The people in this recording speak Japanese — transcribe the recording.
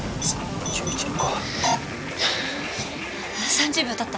３０秒たった。